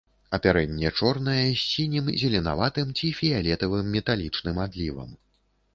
Апярэнне чорнае, з сінім, зеленаватым ці фіялетавым металічным адлівам.